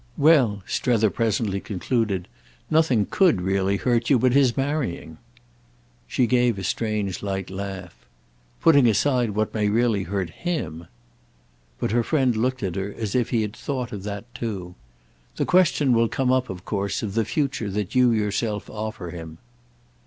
"Well," Strether presently concluded, "nothing could really hurt you but his marrying." She gave a strange light laugh. "Putting aside what may really hurt him." But her friend looked at her as if he had thought of that too. "The question will come up, of course, of the future that you yourself offer him."